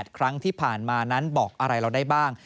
ครั้งที่ผ่านมานั้นบอกอะไรเราได้บ้าง